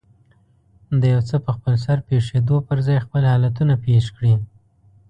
د يو څه په خپلسر پېښېدو پر ځای خپل حالتونه پېښ کړي.